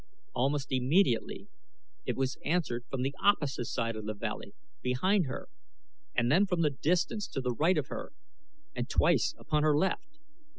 Almost immediately it was answered from the opposite side of the valley, behind her, and then from the distance to the right of her, and twice upon her left.